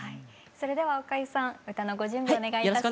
それではおかゆさん歌のご準備お願いいたします。